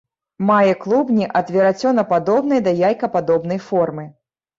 Мае клубні ад верацёнападобнай да яйкападобнай формы.